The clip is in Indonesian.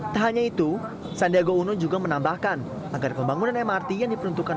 tak hanya itu sandiaga uno juga menambahkan agar pembangunan mrt yang diperuntukkan